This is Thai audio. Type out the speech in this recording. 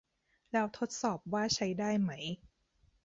แล้วทดสอบว่าใช้ได้ไหม